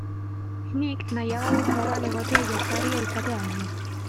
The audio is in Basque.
Nik nahiago dut modan egotea jazarria izatea baino.